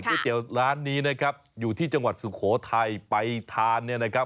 เตี๋ยวร้านนี้นะครับอยู่ที่จังหวัดสุโขทัยไปทานเนี่ยนะครับ